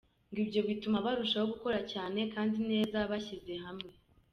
Ngo ibyo bituma barushaho gukora cyane kandi neza bashyize hamwe.